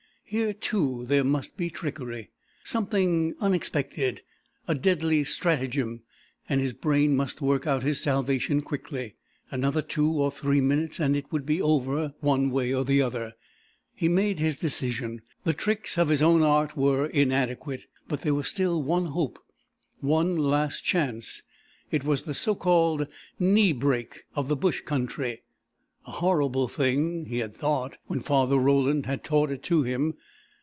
Here, too, there must be trickery, something unexpected, a deadly stratagem, and his brain must work out his salvation quickly. Another two or three minutes and it would be over one way or the other. He made his decision. The tricks of his own art were inadequate, but there was still one hope one last chance. It was the so called "knee break" of the bush country, a horrible thing, he had thought, when Father Roland had taught it to him.